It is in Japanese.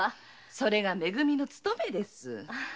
それが「め組」の務めです。